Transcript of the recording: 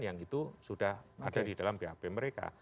yang itu sudah ada di dalam bap mereka